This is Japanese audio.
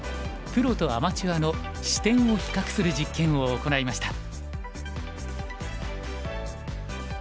プロとアマチュアの視点を比較する実験を行いました。